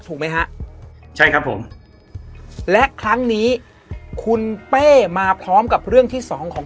ถูกไหมฮะใช่ครับผมและครั้งนี้คุณเป้มาพร้อมกับเรื่องที่สองของ